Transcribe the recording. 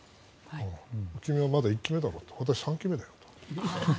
君は、まだ１期目だろと私は、もう３期目だよと。